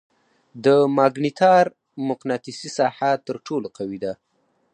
د ماګنیټار مقناطیسي ساحه تر ټولو قوي ده.